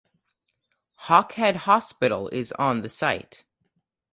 Hawkhead Hospital is on the site.